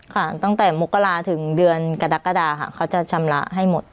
ค่ะตั้งแต่มกราถึงเดือนกรกฎาค่ะเขาจะชำระให้หมด